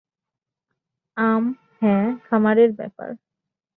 আম, হ্যাঁ, খামারের ব্যাপার।